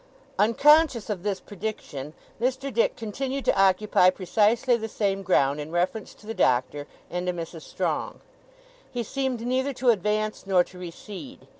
Unconscious of this prediction, Mr. Dick continued to occupy precisely the same ground in reference to the Doctor and to Mrs. Strong. He seemed neither to advance nor to recede.